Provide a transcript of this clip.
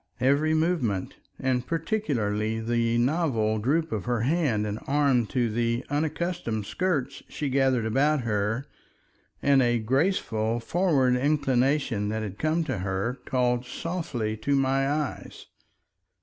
Every movement, and particularly the novel droop of her hand and arm to the unaccustomed skirts she gathered about her, and a graceful forward inclination that had come to her, called softly to my eyes.